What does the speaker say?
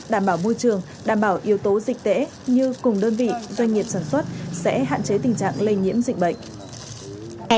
đảm bảo môi trường đảm bảo yếu tố dịch tễ như cùng đơn vị doanh nghiệp sản xuất sẽ hạn chế tình trạng lây nhiễm dịch bệnh